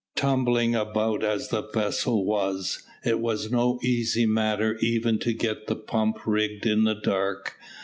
Tumbling about as the vessel was, it was no easy matter even to get the pump rigged in the dark.